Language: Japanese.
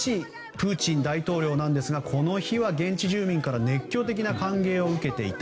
プーチン大統領ですがこの日は現地住民から熱狂的な歓迎を受けていた。